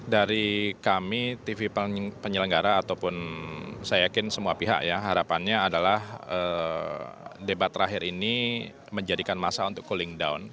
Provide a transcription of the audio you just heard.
dari kami tv penyelenggara ataupun saya yakin semua pihak ya harapannya adalah debat terakhir ini menjadikan masa untuk cooling down